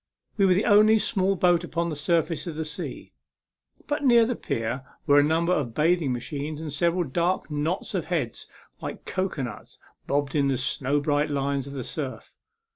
We were the only small boat upon the surface of the sea ; but near the pier were a number of bathing machines, and several dark knots of heads like cocoanuts bobbed in the snow bright lines of the surf.